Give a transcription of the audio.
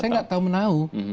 saya nggak tahu menahu